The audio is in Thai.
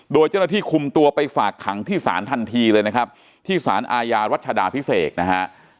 โดยเจ้าหน้าที่คุมตัวไปฝากขังที่ศาลทันทีเลยนะครับที่สารอาญารัชดาพิเศษนะฮะ